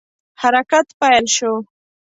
حرکت پیل شو.